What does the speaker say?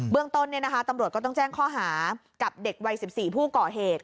เรื่องต้นตำรวจก็ต้องแจ้งข้อหากับเด็กวัย๑๔ผู้ก่อเหตุ